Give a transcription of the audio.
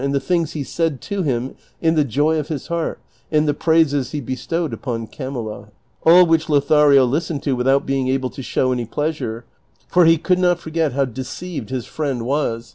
the things he said to liim in the joy of his heart, and the praises he bestowed upon Camilla; all which Lothario listened to without being able to show any pleasure, for he could not forget how deceived his friend was, 300 DON QUIXOTE.